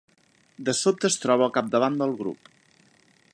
De sobte es troba al capdavant del grup.